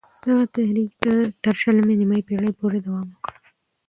دغه تحریک تر شلمې پېړۍ نیمايی پوري دوام وکړ.